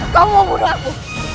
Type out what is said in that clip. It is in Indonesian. kau mau bunuh aku